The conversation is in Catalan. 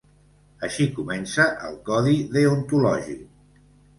Així comença el codi deontològic.